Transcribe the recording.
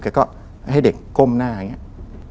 ก็ให้เด็กก้มหน้าอย่างนี้